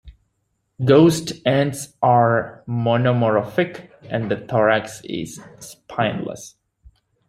Ghost ants are monomorphic and the thorax is spineless.